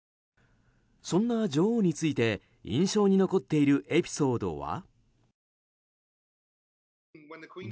そんな女王について印象に残っているエピソードは？